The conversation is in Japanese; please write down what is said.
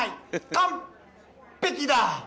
完璧だ！